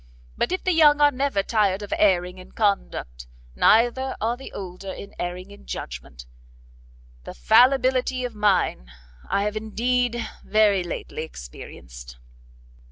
But if the young are never tired of erring in conduct, neither are the older in erring in judgment; the fallibility of mine I have indeed very lately experienced."